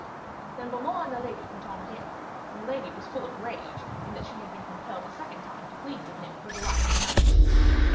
Then Beaumains and the lady went on again, and the lady was full of rage in that she had been compelled a second time to plead with him for the life of a knight.